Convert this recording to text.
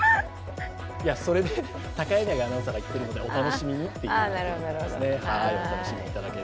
それで高柳アナウンサーが行ってるのでお楽しみにっていう。